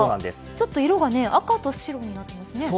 ちょっと色が赤と白になっていますね。